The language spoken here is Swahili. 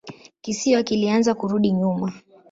Kisiwa kilianza kurudi nyuma.